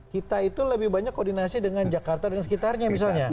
kita itu lebih banyak koordinasi dengan jakarta dan sekitarnya misalnya